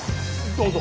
どうぞ！